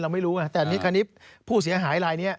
ไม่รู้ไงแต่อันนี้ผู้เสียหายลายนี้